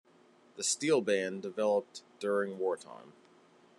The steelband developed during wartime.